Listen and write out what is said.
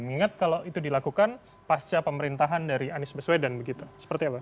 mengingat kalau itu dilakukan pasca pemerintahan dari anies baswedan begitu seperti apa